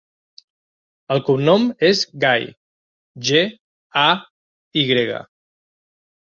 El cognom és Gay: ge, a, i grega.